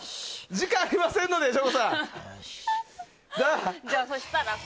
時間ありませんので、省吾さん。